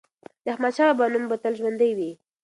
د احمدشاه بابا نوم به تل ژوندی وي.